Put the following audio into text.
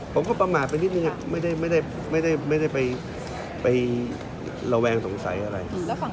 ผมก็ประมาทไปนิดนึงไม่ได้ไประแวงสงสัยอะไร